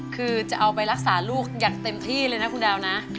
คือจะเอาไปรักษาลูกอย่างเต็มที่เลยนะคุณดาวนะ